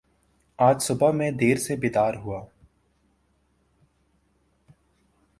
آج صبح میں دیر سے بیدار ہوا